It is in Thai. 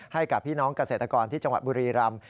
ให้กับพี่น้องเกษตรกรที่จังหวัดบุรีรำ